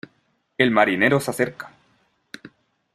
el marinero se acerca: